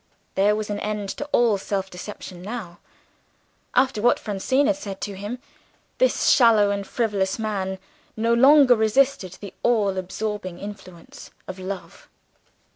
There was an end to all self deception now. After what Francine had said to him, this shallow and frivolous man no longer resisted the all absorbing influence of love.